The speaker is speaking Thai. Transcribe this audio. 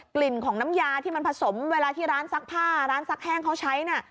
กลิ่นของน้ำยาที่มันผสมเวลาที่ร้านซักผ้าร้านซักแห้งเขาใช้น่ะ